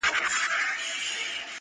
پر وظیفه عسکر ولاړ دی تلاوت کوي~